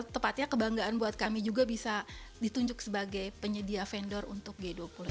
tepatnya kebanggaan buat kami juga bisa ditunjuk sebagai penyedia vendor untuk g dua puluh